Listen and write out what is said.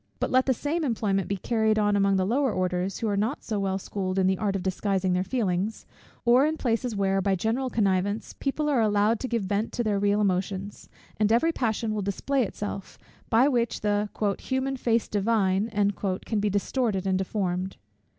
But let the same employment be carried on among the lower orders, who are not so well schooled in the art of disguising their feelings; or in places where, by general connivance, people are allowed to give vent to their real emotions; and every passion will display itself, by which the "human face divine" can be distorted and deformed.